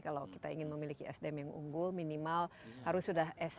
kalau kita ingin memiliki sdm yang unggul minimal harus sudah s dua